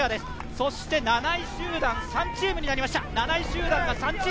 そして７位集団、３チームになりました。